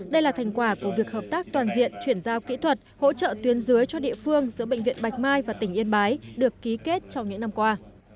đây là thành quả của việc hợp tác toàn diện chuyển giao kỹ thuật hỗ trợ tuyên dưới cho địa phương giữa bệnh viện bạch mai và tỉnh yên bái được ký kết trong những năm qua